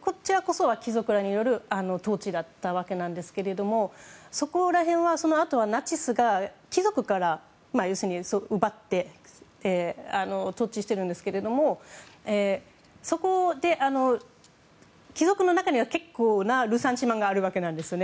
こちらは貴族による統治だったわけですがそこら辺は、そのあとナチスが貴族から奪って統治しているんですけれどもそこで貴族の中には結構なルサンチマンがあるわけなんです。